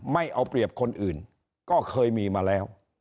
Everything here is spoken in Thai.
ไม่เอาเปรียบคนอื่นก็เคยมีมาแล้ว